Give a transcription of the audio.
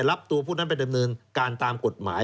รับตัวผู้นั้นไปดำเนินการตามกฎหมาย